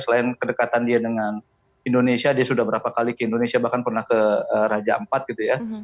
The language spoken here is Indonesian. selain kedekatan dia dengan indonesia dia sudah berapa kali ke indonesia bahkan pernah ke raja empat gitu ya